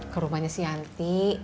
ke rumahnya si anti